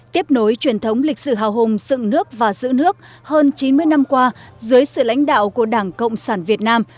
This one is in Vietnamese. tiếp nối truyền thống lịch sử hào hùng dựng nước và giữ nước hơn chín mươi năm qua dưới sự lãnh đạo của đảng cộng sản việt nam